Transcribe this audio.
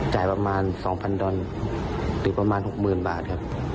จ่ายประมาณ๒๐๐ดอนหรือประมาณ๖๐๐๐บาทครับ